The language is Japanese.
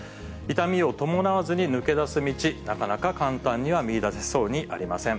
痛みを伴わずに抜け出す道、なかなか簡単には見いだせそうにありません。